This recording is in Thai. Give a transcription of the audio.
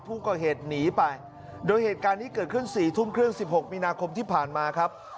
ผู้ก่อเหตุหนีไปโดยเหตุการณ์นี้เกิดขึ้นสี่ทุ่มครึ่ง๑๖มีนาคมที่ผ่านมาครับ